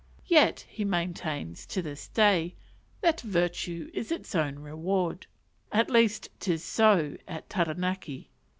Yet he maintains, to this day, that "virtue is its own reward:" "at least 'tis so at Taranaki."